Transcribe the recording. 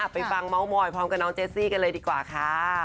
ไปฟังเม้ามอยพร้อมกับน้องเจสซี่กันเลยดีกว่าค่ะ